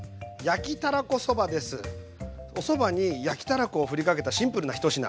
おそばに焼きたらこをふりかけたシンプルな一品。